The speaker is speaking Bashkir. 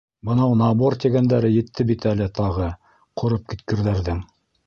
Бынау набор тигәндәре етте бит әле тағы, ҡороп киткерҙәрҙең.